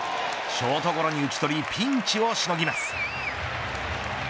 ショートゴロに打ち取りピンチをしのぎます。